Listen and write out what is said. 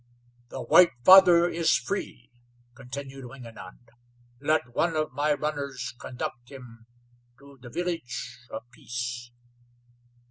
"The white father is free," continued Wingenund. "Let one of my runners conduct him to the Village of Peace."